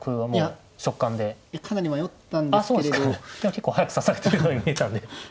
結構速く指されてるように見えたんで。